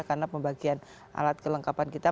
karena pembagian alat kelengkapan kita